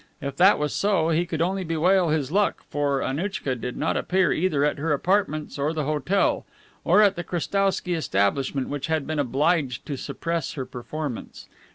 If that was so, he could only bewail his luck, for Annouchka did not appear either at her apartments or the hotel, or at the Krestowsky establishment, which had been obliged to suppress her performance.